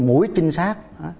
mũi trinh sát